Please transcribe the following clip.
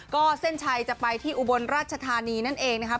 ก็เส้นชัยจะไปที่อุบลราชธานีนั่นเองนะครับ